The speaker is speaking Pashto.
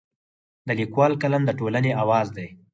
د لیکوال قلم د ټولنې اواز دی.